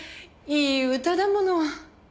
いい歌だもの。